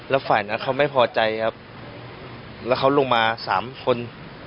แล้วฝ่ายนั้นเขาไม่พอใจครับแล้วเขาลงมาสามคน